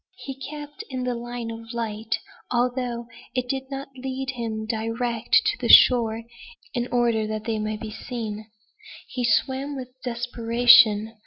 He kept in the line of light, although it did not lead him direct to the shore, in order that they might be seen. He swam with desperation.